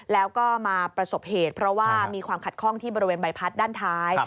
แล้วก็มาประสบเหตุเพราะว่ามีความขัดข้องที่บริเวณใบพัดด้านท้าย